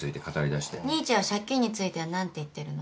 ニーチェは借金については何て言ってるの？